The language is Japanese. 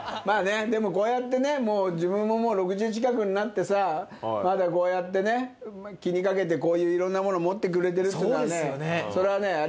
まぁねでもこうやってね自分ももう６０近くになってさまだこうやってね気に掛けてこういういろんなもの持ってくれてるっていうのがねそれはね